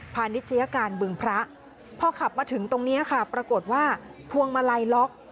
พอขับมาถึงตรงนี้ค่ะปรากฏว่าพวงมาลัยล็อก